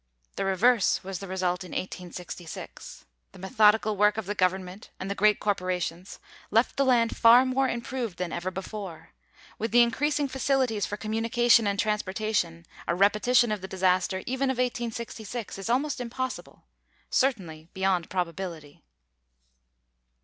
The reverse was the result in 1866. The methodical work of the government and the great corporations left the land far more improved than ever before; with the increasing facilities for communication and transportation, a repetition of the disaster even of 1866 is almost impossible certainly beyond probability.